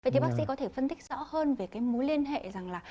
thì bác sĩ có thể phân tích rõ hơn về cái mối liên hệ rằng là